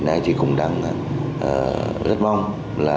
mà thông cảm được việc này